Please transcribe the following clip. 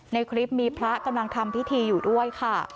ในคลิปมีพระกำลังทำพิธีอยู่ด้วยค่ะ